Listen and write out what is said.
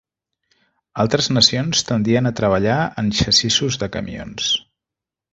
Altres nacions tendien a treballar en xassissos de camions.